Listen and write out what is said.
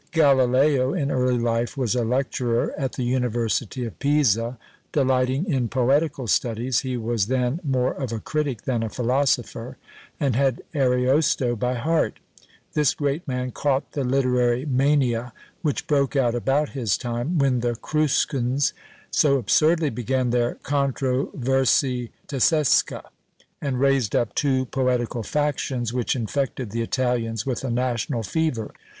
Galileo, in early life, was a lecturer at the university of Pisa: delighting in poetical studies, he was then more of a critic than a philosopher, and had Ariosto by heart. This great man caught the literary mania which broke out about his time, when the Cruscans so absurdly began their "Controversie Tassesche," and raised up two poetical factions, which infected the Italians with a national fever.